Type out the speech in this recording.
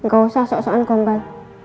gak usah sok sokan gombal